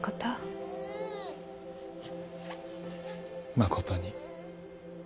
まことに。